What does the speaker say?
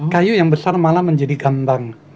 kayu yang besar malah menjadi gambang